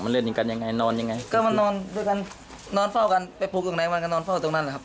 เล่นกันยังไงนอนยังไงก็มานอนด้วยกันนอนเฝ้ากันไปปลูกตรงไหนวันก็นอนเฝ้าตรงนั้นนะครับ